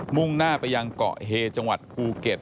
่งหน้าไปยังเกาะเฮจังหวัดภูเก็ต